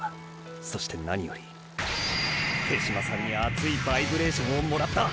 そして何より手嶋さんに熱いバイブレーションをもらった！